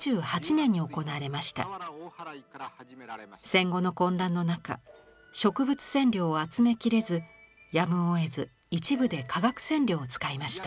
戦後の混乱の中植物染料を集めきれずやむをえず一部で化学染料を使いました。